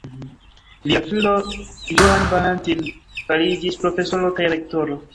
Lia filo Johann Valentin fariĝis profesoro kaj rektoro.